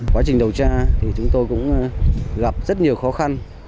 quá trình điều tra thì chúng tôi cũng gặp rất nhiều khó khăn